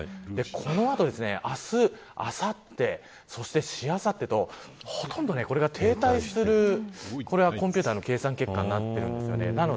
この後、明日、あさってそして、しあさってとほとんど、これが停滞しているコンピューターの計算結果になっているんですね。